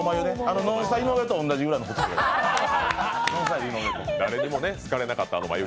ノンスタ井上と同じくらいのまゆげ。